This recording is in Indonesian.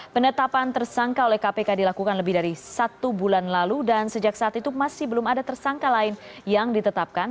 penetapan tersangka oleh kpk dilakukan lebih dari satu bulan lalu dan sejak saat itu masih belum ada tersangka lain yang ditetapkan